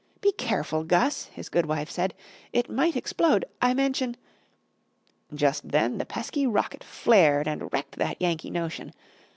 "Be careful, Gus," his good wife said; "It might explode. I mention " Just then the pesky rocket flared And wrecked that Yankee notion.